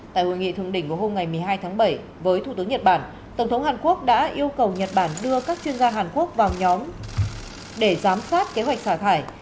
tại hội nghị thượng đỉnh vào hôm ngày một mươi hai tháng bảy với thủ tướng nhật bản tổng thống hàn quốc đã yêu cầu nhật bản đưa các chuyên gia hàn quốc vào nhóm để giám sát kế hoạch xả thải